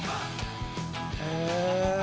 へえ。